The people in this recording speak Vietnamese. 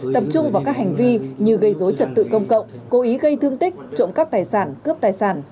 tập trung vào các hành vi như gây dối trật tự công cộng cố ý gây thương tích trộm cắp tài sản cướp tài sản